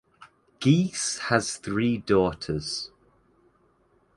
Geese has three daughters.